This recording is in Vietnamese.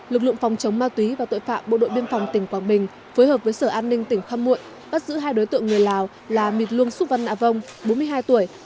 lực lượng phòng chống ma túy và tội phạm bộ đội biên phòng tỉnh quảng bình phối hợp với sở an ninh tỉnh khăm mụi bắt giữ hai đối tượng người lào là mịt luông xúc văn nạ vong bốn mươi hai tuổi